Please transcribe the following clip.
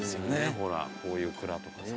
ほらこういう蔵とかさ